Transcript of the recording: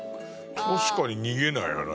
確かに逃げないよね。